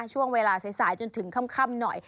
ช่วงเวลาสายจนถึงค่ำหน่อย